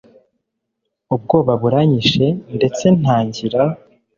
ubwoba buranyishe ndetse ntangira